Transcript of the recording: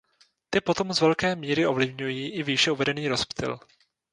Ty potom z velké míry ovlivňují i výše uvedený rozptyl.